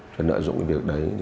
chuyên lợi dụng cái việc đấy